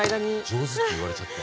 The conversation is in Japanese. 上手って言われちゃった。